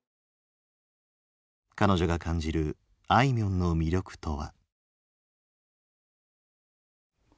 彼女が感じるあいみょんの魅力とは？